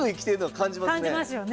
感じますよね。